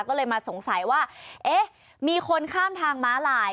ก็เลยมาสงสัยว่าเอ๊ะมีคนข้ามทางม้าลาย